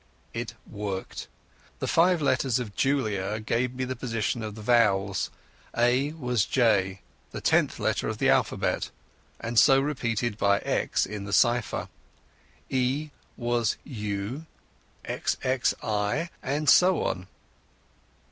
It worked. The five letters of "Julia" gave me the position of the vowels. A was J, the tenth letter of the alphabet, and so represented by X in the cypher. E was U=XXI, and so on.